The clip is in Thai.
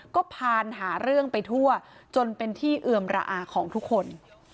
ก็ผ่านหาเรื่องไปทั่วจนเป็นที่เอือมระอาของทุกคน